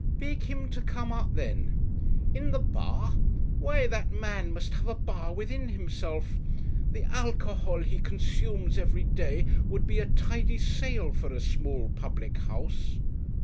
'Beg him to come up, then. In the bar! why, that man must have a bar within himself the alcohol he consumes every day would be a tidy sale for a small public house.'